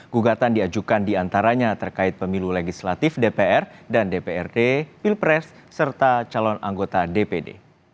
gugatan diajukan diantaranya terkait pemilu legislatif dpr dan dprd pilpres serta calon anggota dpd